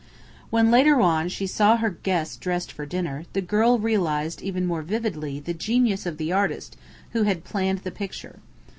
When, later on, she saw her guest dressed for dinner, the girl realized even more vividly the genius of the artist who had planned the picture.